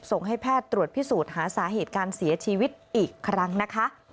ส่งให้แพทย์ตรวจพิสูจน์หาสาเหตุการเสียชีวิตอีกครั้งนะคะ